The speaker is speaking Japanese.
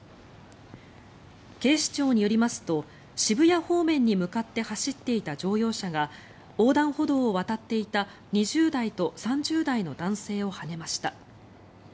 警視庁によりますと渋谷方面に向かって走っていた乗用車が横断歩道を渡っていた２０代と３０代の男性をはねました。